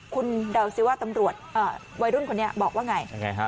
คุณเดาสิว่าตำรวจวัยรุ่นคนนี้บอกว่าไงฮะ